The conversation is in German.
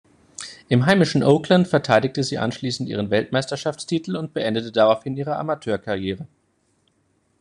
Im heimischen Oakland verteidigte sie anschließend ihren Weltmeisterschaftstitel und beendete daraufhin ihre Amateurkarriere.